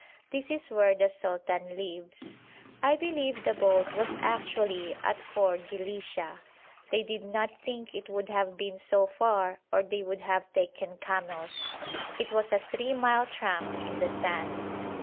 This is where the sultan lives. I believe the boat was actually at Khor Dilisha. They did not think it would have been so far or they would have taken camels. It was a three mile tramp in the sand.